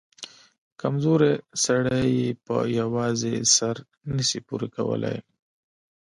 کمزورى سړى يې په يوازې سر نه سي پورې کولاى.